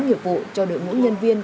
nhiệm vụ cho đội ngũ nhân viên